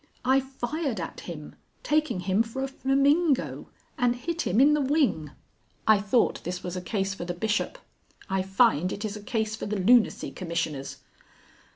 "I fired at him, taking him for a flamingo, and hit him in the wing." "I thought this was a case for the Bishop. I find it is a case for the Lunacy Commissioners."